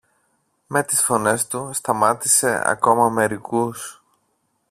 Με τις φωνές του σταμάτησε ακόμα μερικούς.